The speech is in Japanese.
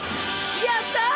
やったぁ！